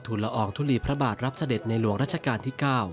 ละอองทุลีพระบาทรับเสด็จในหลวงรัชกาลที่๙